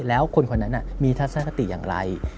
แล้วคนคนนั้นมีทัศนคติอย่างไร